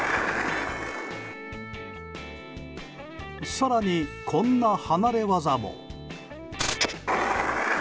更に、こんな離れ技も！